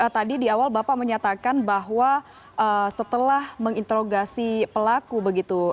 tadi di awal bapak menyatakan bahwa setelah menginterogasi pelaku begitu